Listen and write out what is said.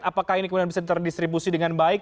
apakah ini kemudian bisa terdistribusi dengan baik